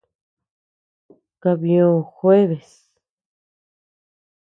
Kabyio jueves.